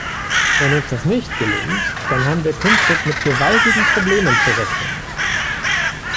Wenn uns das nicht gelingt, dann haben wir künftig mit gewaltigen Problemen zu rechnen.